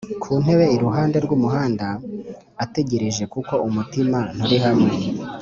Ku ntebe iruhande rw umuhanda ategereje kuko umutima nturihamwe